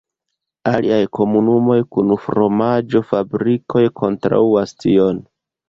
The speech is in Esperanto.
Aliaj komunumoj kun fromaĝo-fabrikoj kontraŭas tion.